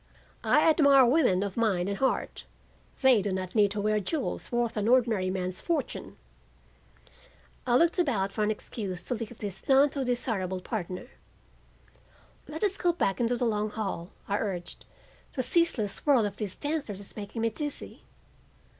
"I admire women of mind and heart. They do not need to wear jewels worth an ordinary man's fortune." I looked about for an excuse to leave this none too desirable partner. "Let us go back into the long hall," I urged. "The ceaseless whirl of these dancers is making me dizzy."